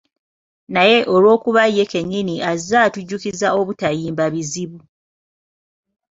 Naye olw'okuba ye kennyini azze atujjukiza obutayimba bizibu